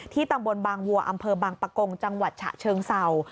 ตำบลบางวัวอำเภอบางปะกงจังหวัดฉะเชิงเศร้า